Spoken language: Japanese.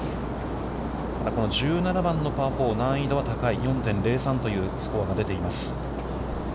この１７番のパー４難易度は高い４．０３というスコアが出ています。